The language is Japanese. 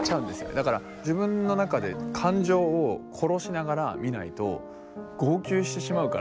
だから自分の中で感情を殺しながら見ないと号泣してしまうから。